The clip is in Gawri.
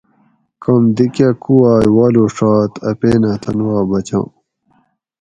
کوم دی کٞہ کووائے والوݭات اپینہ تن وا بچاں